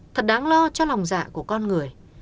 thật đáng lo cho lòng dạ của con người